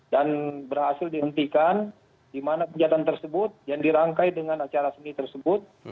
dan berhasil dihentikan di mana kegiatan tersebut yang dirangkai dengan acara seni tersebut